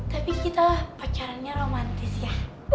tapi kita pacarannya romantis ya